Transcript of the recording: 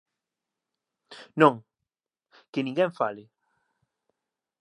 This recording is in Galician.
¡Non!, ¡que ninguén fale!